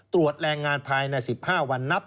ตรวจแรงงานภายในสิบห้าวันนับ